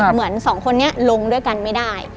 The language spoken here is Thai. เหมือนสองคนนี้ลงด้วยกันไม่ได้